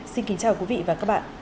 xin kính chào quý vị và các bạn